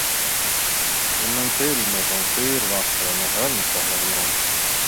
Om en timme kom fyrvaktaren och hämtade honom.